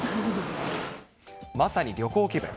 まさに旅行気分。